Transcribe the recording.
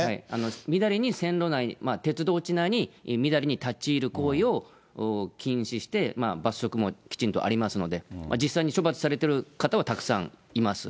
みだりに線路内、鉄道地内にみだりに立ち入る行為を禁止して、罰則もきちんとありますので、実際に処罰されてる方はたくさんいます。